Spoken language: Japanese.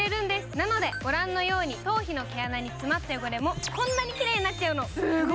なので、ご覧のように頭皮の毛穴に詰まった汚れもこんなにきれいになっちゃうの！